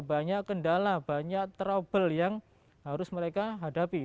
banyak kendala banyak trouble yang harus mereka hadapi